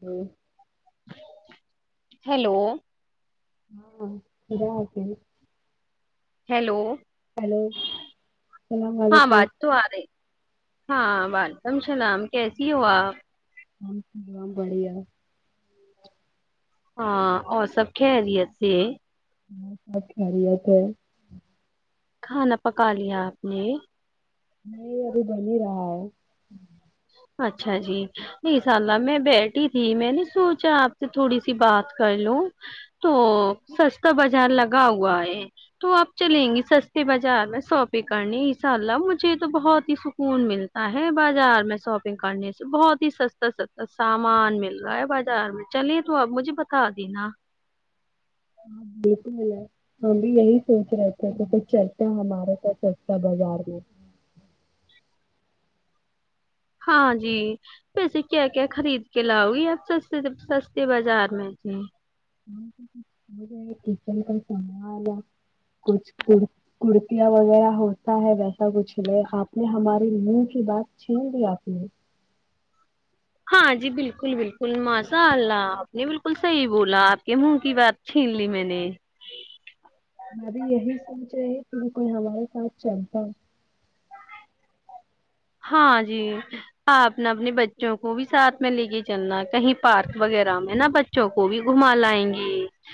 ہوں [inaudible] ہیلو ہاں ج جا آتیین ہیلو ہیلو سلام و ہاں ععلیکم آواز تو آ رہی ہاں وعلیکم السلام کیسی ہوا ہمم سام بڑیا ہاں اور سب کہریت سے ہ سب خیرییات ہے کھانا پکا لیا آپ نے نہیں ابھی بن ہی رہا ہے اچھا جی نہیںشاء اللہ میں بیٹھی تھی میں نے سوچا آپ سے تھوڑی سی بات کر لوں تو سستا بازار لگا ہوا ہے تو آپ چلیں گی سستے بازار میں ساپنگ کرنی انشاء اللہ مجھے تو بہت ہی سکون ملتا ہے بازار میں شاپنگ کرنے سے بہت ہی سستا سستا سامان مل رہا ہے بازار میں چلیے تو آپ مجھے بتا دینا ہاں بالکل ہے ہم بھی یہی سوچ رہے تھے کہ کو چلتا ہمارے س سچتا بازار میں ہاں جی ویسے کیا کیا خرید کے لاؤ گی آپ ستے سستے بازار میں جی کچن کا سامان کچھ کرتیاں وغیرہ ہوتا ہے ویسا کچھ لے آپ نے ہمارے منہ کی بات چھین لی آپ نے ہاں جی بالکل بالکل ماشاء اللہ آپ نے بالکل صحیح بولا آپ کے منہ کی بات چھین لی میں نے بھائی یہی سوچے ت میں کوئی ہمارے ساتھ چلتا ہاں جی آپ نے اپنے بچوں کو بھی ساتھ میں لے کے چلنا کہیں پارک وغیرہ میں نا بچوں کو بھی گھما لائیں گے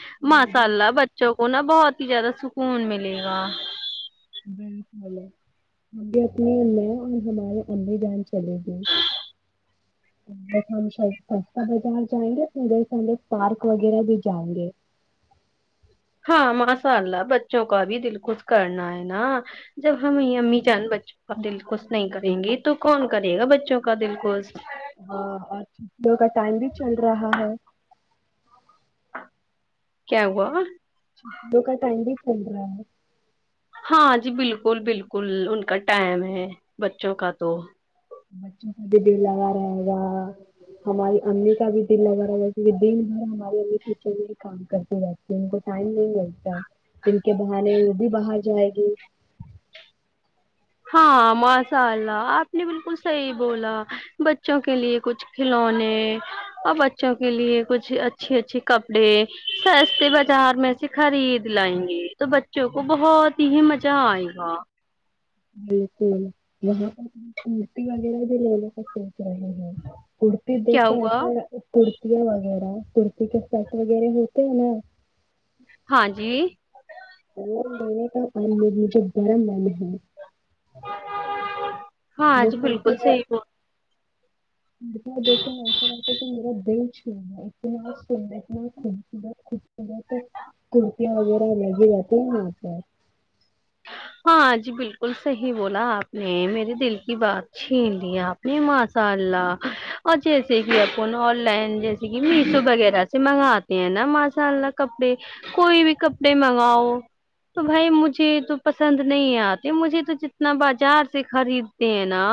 ہاں ماشاء ادھر اللہ بچوں کو نا بہت زیادہ سکون ملے گا بالکل ہم بھی اپنےے اور ہمارے انھی جان چلے گئے ا ہم سہ بازار جائیں گےدھر سے ہم پارک وغیرہ بھی جائیں گے ہاں ماشاء اللہ بچوں کا بھی دل کوش کرنا ہے نا جب ہم یہ امی چان بچوں کا دل کوش نہیں کریں گے تو کون کرے گا بچوں کا دل کوش ہاں اور چھٹیوں کا ٹائم بھی چل رہا ہے کیا ہوا ل کا ٹائ بھی بن رہا ہے ہاں جی بالکل بالکل ان کا ٹائم ہے بچوں کا تو بچوں کا بھی دل لگا رہے گا ہماری امی کا بھی دل لگا رہے گا کیونکہ دن بھر ہماری امی کچن میں ہی کام کرتی رہتی ہے ان کو ٹائم نہیں لگتا ہے جن کے بہانے وہ بھی باہر جائے گی ہاں ماشاء اللہ آپ نے بالکل صحیح بولا بچوں کے لیے کچھ کھلونے اور بچوں کے لیے کچھ اچھے اچھے کپڑے سستے بازار میں سے خرید لائیں گے تو بچوں کو بہت ہی مزہ آئے گا بالکل وہاں پر مورتی وغیرہ بھی ل ل کے اا ہ کڑتی کیا دتے ہوا سر کڑتییا وغیرہ کرتی کا سٹ وغیرہ ہوتے ہیں نا ہاں جی اور میں نے کا ان مجھے گرم من ہے [unintelligible] ہاں وہ جی بالکل صحی ب م دیکھ ایساتے کہ میرا د نا سندر خ سر خوب سندر تو کرتییاں وغیرہ لگ جات ہیں وہاں پر ہاں جی بالکل صحیح بولا آپ نے میرے دل کی بات چھین لی آپ نے ماشاء اللہ اور جیسے کہ اپن آن لائن جیسے کہ میشو وغیرہ سے منگاتے ہیں نا ماشاء اللہ کپڑے کوئی بھی کپڑے منگاؤ تو بھائی مجھے تو پسند نہیں آتے مجھے تو جتنا بازار سے خریدتے ہیں نا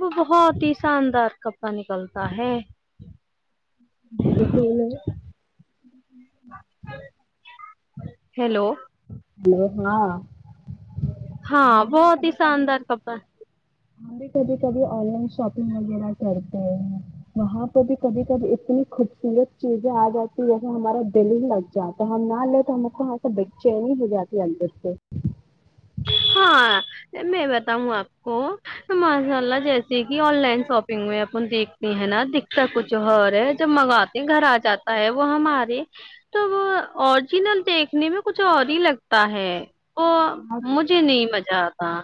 وہ بہت ہی شاندار کپڑا نکلتا ہے بالکل ہیلو ہلو ہاں ہاں ہم بھی بہت ہی کبھی کبھی شاندار کپڑا ہم بھی کبھی کبھی آن لائن شاپنگ وغیرہ کر وہاں پہ بھی کبھی کبھی اتنی خوبصورت چیزیں آ جاتی جیسے ہمارا دل ہی لگ جاتا ہے ہم نہ لے تو ہم کو وہاں سے بیھ چینی ہوجاتی اندر سے ہاں میں بتاؤں آپ کو ماشاء اللہ جیسے کہ آن لائن شاپنگ میں اپن دیکھتے ہیں نا دکھتا کچھ اور ہے جب منگاتے گھر آ جاتا ہے وہ ہمارے تو وہ اوریجنل دیکھنے میں کچھ اور ہی لگتا ہے وہ ہاں مجھے نہیں مزہ آتا ہاں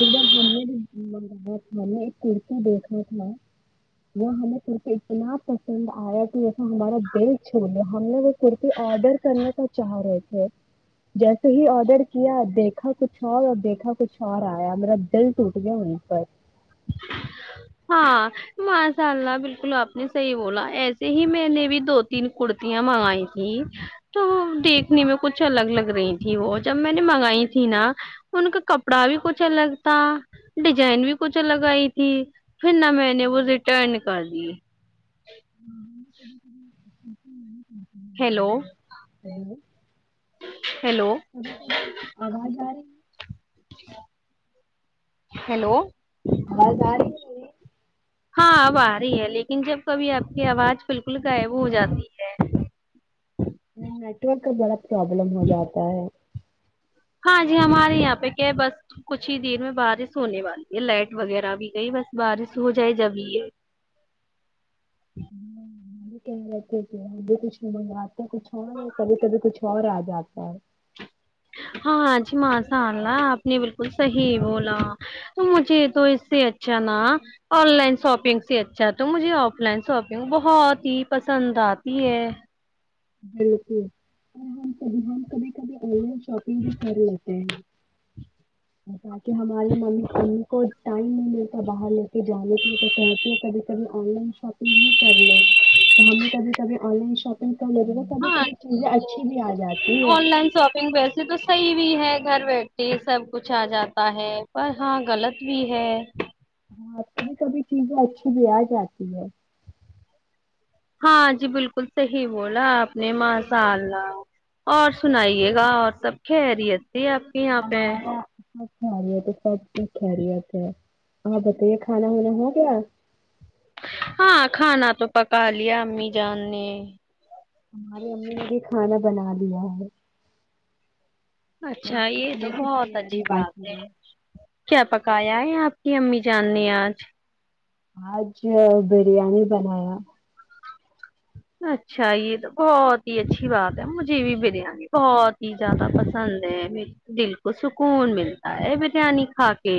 ایک بار ہم نے بھی منگایا تھا ہم نے ایک کرتا دیکھا تھا وہ ہمیں کرتا اتنا پسند آیا کہ جیسا ہمارا دل چھوڑو ہم نے وہ کررتی آڈر کرنے کا چاہ رہے تھ جیسے ہی آڈر کیا دیکھا کچھ اور اور دیکھا کچھ اور آ میرا دل ٹوٹ گیا وہیں پر ہاں ماشاء اللہ بالکل آپ نے صحیح بولا ایسے ہی میں نے بھی دو تین کرتیاں منگائی تھی تو دیکھنے میں کچھ الگ لگ رہی تھی وہ جب میں نے منگائی تھی نا ان کا کپڑا بھی کچھ الگ تھا ڈیزائن بھی کچھ لگائی تھی پھر نہ میں نے وہ ریٹرن کر دی ہیلو ہلو، ہیلو آواز آ رہی جی ہیلو آواز آ رہی ہے ہاں اب آ رہی ہے لیکن جب کبھی آپ کی آواز بالکل غائب ہو جاتی ہے میری نیٹ ورک کا بڑا پرابلم ہو جاتا ہے ہاں جی ہمارے یہاں پہ کیا ہے بس کچھ ہی دیر میں بارش ہونے والی ہے لائٹ وغیرہ بھی گئی بس بارش ہو جائے جب یہ ہے ہم بھی کہہ رہے تھے کہ ہم بھی کچھ منگواتے ہیں کچھ اور یا کبھی کبھی کچھ اور آ جاتا ہے ہاں جی ماشاء اللہ آپ نے بالکل صحیح بولا تو مجھے تو اس سے اچھا نا آن لائن شاپنگ سے اچھا تو مجھے آف لائن شاپنگ بہت ہی پسند آتی ہے بالکل اور ہ کب ہ کبھی کبھی آن لائن شاپنگ بھی کر لیتے ہیں باقی ہمارے امی کو ٹائم نہیں ملتا باہر لے کے جانے کے لی تو کہتی ہے کبھی کبھی آن لائن شاپنگ نہیں کر لو تو ہمیں کبھی کبھی آن لائن شاپنگ کر ل ہاں ہے آن لائن شاپنگ ویسے تو صحیح بھی ہے گھر بیٹھے سب کچھ آ جاتا ہے پر ہاں غلط بھی ہے ہاں کبھی کبھی چیزیں اچھی بھی آ جاتی ہے ہاں جی بالکل صحیح بولا آپ نے ماشاء اللہ اور سنائیے گا اور سب خیریت جی آپ کے یہاں پہ ہے خری تو سب کی خیریت ہے آپ بتائیے کھانا وانا ہو گیا [unintelligible] ہاں کھانا تو پکا لیا امی جان نے ہماری امی نے بھی کھانا [unintelligible] بنا دیا ہے [unintelligible] بس اچھا یہ تو کھانے کی بہت اچھی تیاری بات باقی ہے کیا پکیا آپ کی امی جاننی ہیں آج [unintelligible] آج بریانی بنایا اچھا یہ تو بہت ہی اچھی بات ہے مجھے بھی بریانی بہت ہی زیادہ پسند ہے م دل کو سکون ملتا ہے بریانی کھا کے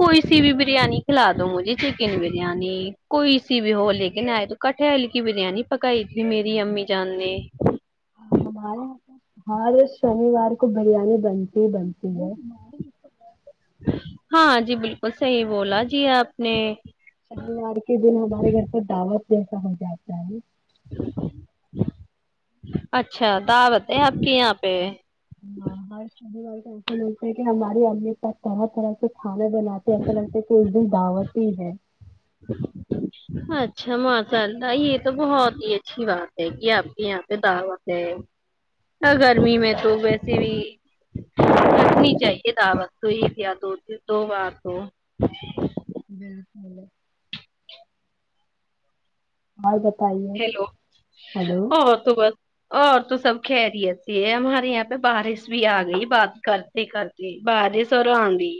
کوئی سی بھی بریانی کھلا دو مجھے چکن بریانی کوئی سی بھی ہو لیکن آئے تو کٹل کی بریانی پکائی تھی میری امی جان نے [unintelligible] ہمارے یہاں ہار شنیوار کو بریانی بنتی ہی بنتی ہے [unintelligible] ہاں جی بالکل صحیح بولا جی آپ نے [unintelligible] شنیوار کے دن ہمارے گھر پر دعوت [unintelligible] جیسا ہو جائے چے [unintelligible] اچھا تو بت آپ کے یہاں پہ [unintelligible] ہاں [unintelligible] ہم وال تو ایسن ہوتا ہے کہ ہماری امی پاس طرح طرح سے [unintelligible] کھانا بناتے اپنے سے ک دن دعوت ہی ہے اچھا ماشاء اللہ یہ تو بہت ہی اچھی بات ہے کہ آپ کے یہاں پہ دعوت ہے گرمی میں تو ویسے بھی رکھنی چاہیے دعوت تو ایک یا دو دو بات ہو بالکال آاں گ ہیلو اور تو بس اور تو سب خیریت سے ہے ہمارے یہاں پہ بارش بھی آ گئی بات کرتے کرتے بارش اور آندھی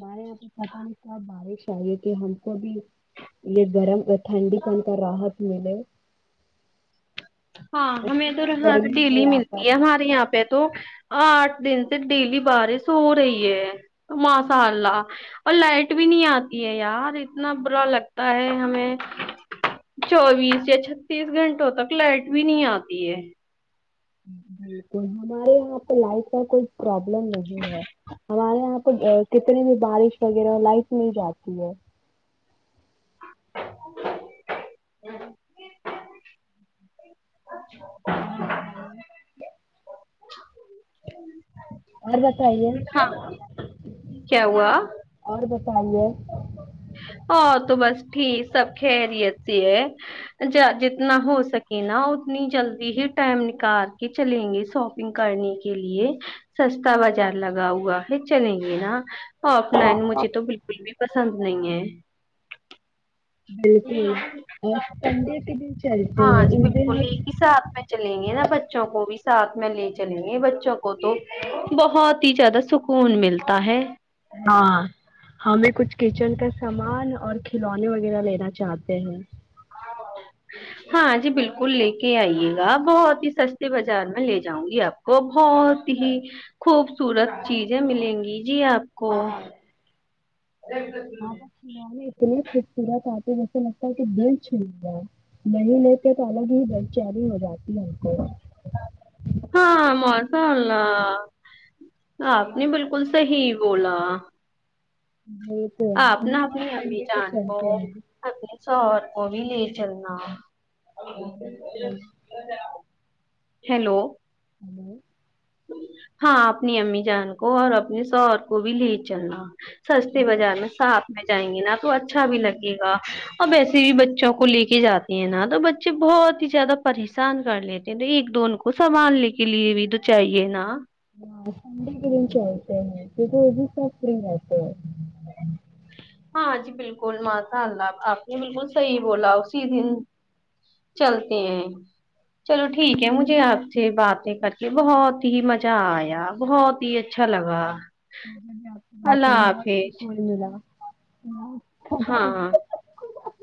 بریا پر پتہ نہیں صب بارش آئی ہے تھی ہم کو بھی یہ گرم ا ٹھنڈی پنتا رات م نے ہاں ہمیں تو رح ہے ڈیلی یہاں ملتی پر ہے ہمارے یہاں پہ تو آٹھ دن سے ڈیلی بارش ہو رہی ہے ماشاء اللہ اور لائٹ بھی نہیں آتی ہے یار اتنا برا لگتا ہے ہمیں چوبیس یا چھتیس گھنٹوں تک لائٹ بھی نہیں آتی ہے بالکل ہمارے یہاں پہ لائٹ کا کوئی پرابلم نہیں ہے ہمارے یہاں پہ کتنے بھی بارش وغیرہ لائٹ مل جاتی ہے اور خال ہے بتائیے تھا ہاں کیا ہوا چاہیے ہاں تو بس ٹھیک سب خیریت سے ہے ج جتنا ہو سکے نا اتنی جلدی ہی ٹائم نکال کے چلیں گے شاپنگ کرنے کے لیے سستا بازار لگا ہوا ہے چلیں گے نا آف لائن مجھے تو بالکل بھی پسند نہیں ہے بالکل اور سنڈے کے دن چلتے ہیں ہاں جی ان بالکل ہ ایک ہی ساتھ میں چلیں گے نا بچوں کو بھی ساتھ میں لے چلیں گے بچوں کو تو بہت ہی زیادہ سکون ملتا ہے ہاں ہمیں کچھ کچن کا سامان اور کھلونے وغیرہ لینا چاہتے ہیں ہاں جی بالکل لے کے آئیے گا بہت ہی سستے بازار میں لے جاؤں گی آپ کو بہت ہی خوبصورت چیزیں ملیں گی جی آپ کو ہاں بس میں اتنے پورا آتے جیسے لگتا ہے کہ دل چھوٹ جائے نہیں لیتے تو الگ ہی دل چیاری ہو جاتی ہے ہم کو ہاں ماشاء اللہ آپ نے بالکل صحیح بولا آپ بالکل ن ہم اور اپنی امی سنڈے جان کو چلتے ہیں اپنے سوور کو بھی لے چلنا ہے ہم بالکل گ ہیلو ہلو ہاں اپنی امی جان کو اور اپنے سور کو بھی لے چلنا سستی بل- بازار میں صاف جائیں گے نا تو اچھا بھی لگے گا اور ویسے بھی بچوں کو لے کے جاتے ہیں نا تو بچے بہت ہی زیادہ پریشان کر لیتے ہیں تو ایک دون کو سنبھالنے کے لیے بھی تو چاہیے نا ہاں سنڈ کرن چلتے ہے تو سا کرتے ہے ہاں جی بالکل ماساء اللہ آپ نے بالکل صحیح بولا اسی دن چلتے ہیں چلو ٹھیک ہے مجھے آپ سے باتیں کر کے بہت ہی مزہ آیا بہت ہی اچھا لگا میں نے آپ کی بات اللہ کر بھی بہت حافظ سکون ملا لیکن ہاں ہ ا